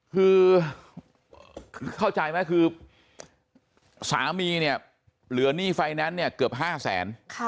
คือเข้าใจไหมคือสามีเนี่ยเหลือหนี้ไฟแนนซ์เนี่ยเกือบ๕แสน